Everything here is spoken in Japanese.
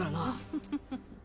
フフフ。